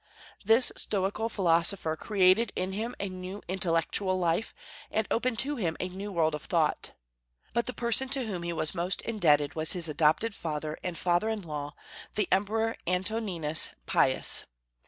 This stoical philosopher created in him a new intellectual life, and opened to him a new world of thought. But the person to whom he was most indebted was his adopted father and father in law, the Emperor Antoninus Pius.